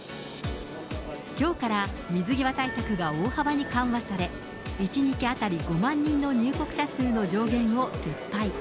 きょうから水際対策が大幅に緩和され、１日当たり５万人の入国者数の上限を撤廃。